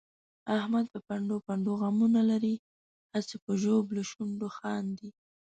احمد په پنډو پنډو غمونه لري، هسې په ژبلو شونډو خاندي.